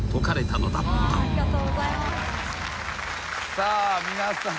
さあ皆さん。